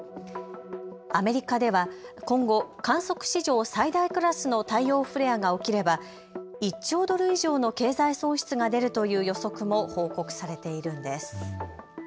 アメリカでは今後、観測史上最大クラスの太陽フレアが起きれば１兆ドル以上の経済損失が出るという予測も報告されているんです。